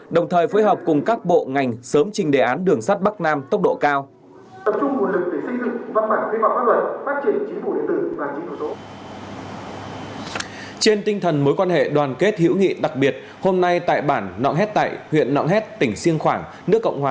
đồng thời phối hợp cùng các bộ ngành sớm trình đề án đường sắt bắc nam tốc độ cao